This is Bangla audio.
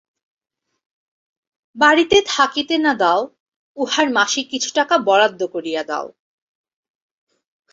বাড়িতে থাকিতে না দাও, উহার মাসিক কিছু টাকা বরাদ্দ করিয়া দাও।